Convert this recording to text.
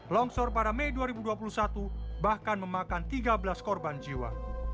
longsor pada mei dua ribu dua puluh satu bahkan memakan tiga belas korban jiwa